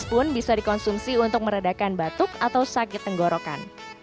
pun bisa dikonsumsi untuk meredakan batuk atau sakit tenggorokan